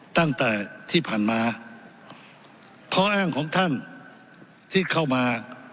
ตั้งแต่ที่ผ่านมาข้ออ้างของท่านที่เข้ามา